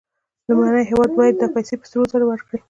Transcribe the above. لومړنی هېواد باید دا پیسې په سرو زرو ورکړي